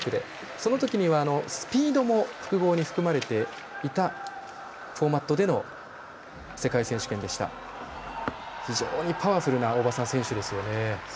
その時にはスピードも複合に含まれていたフォーマットでの世界選手権でした非常にパワフルな選手ですよね。